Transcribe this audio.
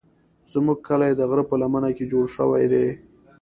زموږ کلی د غره په لمنه کې جوړ شوی دی.